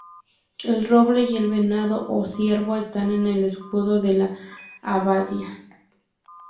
El roble y el venado o ciervo están en el escudo de la abadía.